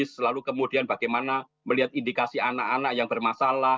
selalu kemudian bagaimana melihat indikasi anak anak yang bermasalah